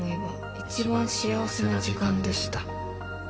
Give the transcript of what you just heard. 「一番幸せな時間でした」